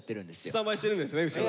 スタンバイしてるんですね後ろ。